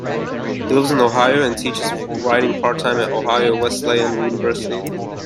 He lives in Ohio and teaches writing part-time at Ohio Wesleyan University.